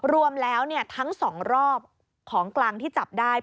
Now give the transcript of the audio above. รวมแล้วทั้ง๒รอบของกลางที่จับได้